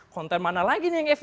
konten mana lagi nih yang f